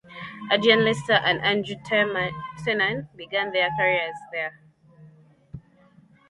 Adrian Lester and Andrew Tiernan began their careers there.